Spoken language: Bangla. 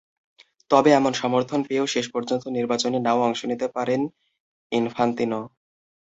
তবে এমন সমর্থন পেয়েও শেষ পর্যন্ত নির্বাচনে না-ও অংশ নিতে পারেন ইনফান্তিনো।